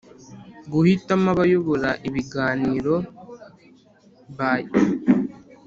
Guhitamo abayobora ibiganiro by